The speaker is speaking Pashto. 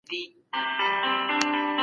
ازادي د غلامۍ تر ټولو لوی دښمن دی.